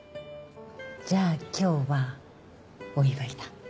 じゃあ今日はお祝いだ。